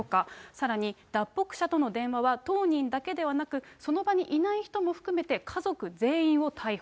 さらに脱北者との電話は当人だけでなく、その場にいない人も含めて家族全員を逮捕。